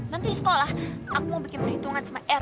nanti di sekolah aku mau bikin perhitungan sama r